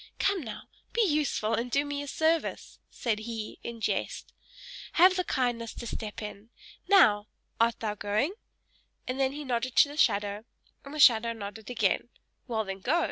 Come, now! Be useful, and do me a service," said he, in jest. "Have the kindness to step in. Now! Art thou going?" and then he nodded to the shadow, and the shadow nodded again. "Well then, go!